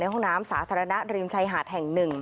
ห้องน้ำสาธารณะริมชายหาดแห่ง๑